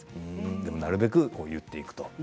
でもなるべく言っていくと。